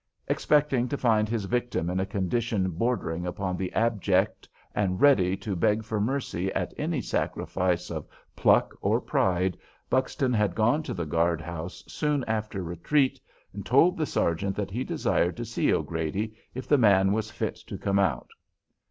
Expecting to find his victim in a condition bordering upon the abject and ready to beg for mercy at any sacrifice of pluck or pride, Buxton had gone to the guard house soon after retreat and told the sergeant that he desired to see O'Grady, if the man was fit to come out.